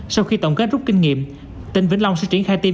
sau khi tổng kết rút kinh nghiệm tỉnh vĩnh long sẽ triển khai tiêm